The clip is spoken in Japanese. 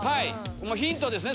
ヒントですね